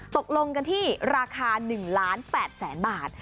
ตกลงกันที่ราคา๑ล้าน๘แสนบาท